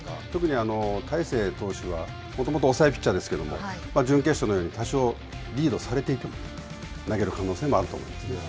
特に、大勢投手はもともと抑えピッチャーですけれども、準決勝のように多少リードされていても、投げる可能性もある。